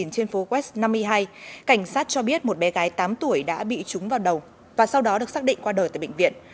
trên phố west năm mươi hai cảnh sát cho biết một bé gái tám tuổi đã bị trúng vào đầu và sau đó được xác định qua đời tại bệnh viện